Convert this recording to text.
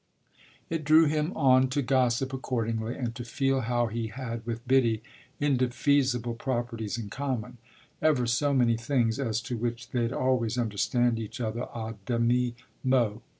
It drew him on to gossip accordingly and to feel how he had with Biddy indefeasible properties in common ever so many things as to which they'd always understand each other à demi mot.